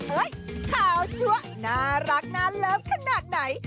เอ๊ยขาวจั๊วน่ารักน่าเลิฟขนาดไหน